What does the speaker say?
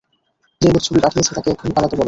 যে লোক ছবি পাঠিয়েছে তাকে এক্ষুনি পালাতে বলো।